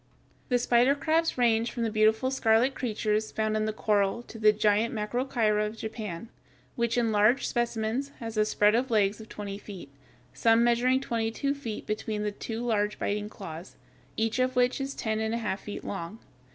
The spider crabs range from the beautiful scarlet creatures found in the coral to the giant Macrocheira of Japan, which in large specimens has a spread of legs of twenty feet, some measuring twenty two feet between the two large biting claws, each of which is ten and a half feet long.